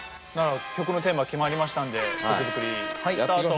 曲のテーマ決まりましたんで曲作りスタート！